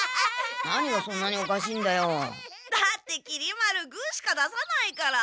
だってきり丸グーしか出さないから。